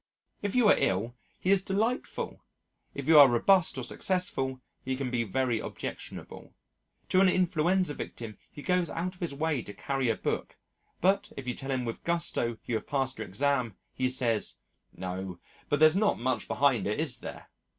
If you are ill he is delightful, if you are robust or successful he can be very objectionable. To an influenza victim he goes out of his way to carry a book, but if you tell him with gusto you have passed your exam, he says, "Oh, but there's not much behind it, is there?"